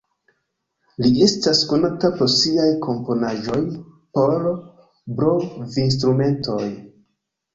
Li estas konata pro siaj komponaĵoj por blovinstrumentoj.